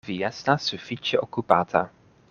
Vi estas sufiĉe okupata.